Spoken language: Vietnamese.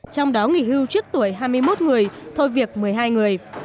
trong đó nghỉ hưu trước tuổi hai mươi một người thôi việc một mươi hai người